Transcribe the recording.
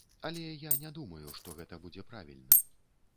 Але я не думаю, што гэта будзе правільна.